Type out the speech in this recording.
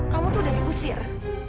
kamu tuh udah diusir